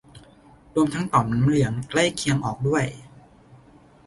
รวมทั้งต่อมน้ำเหลืองใกล้เคียงออกด้วย